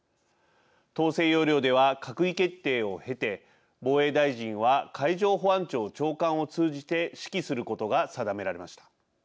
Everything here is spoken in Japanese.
統制要領では閣議決定を経て防衛大臣は海上保安庁長官を通じて指揮することが定められました。